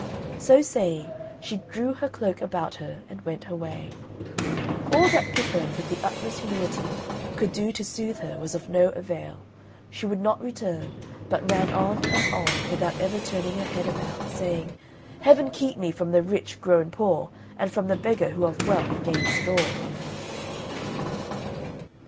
So saying, she drew her cloak about her and went her way. All that Pippo, with the utmost humility, could do to soothe her was of no avail. She would not return; but ran on and on without ever turning her head about, saying "Heaven keep me from the rich grown poor, And from the beggar who of wealth gains store."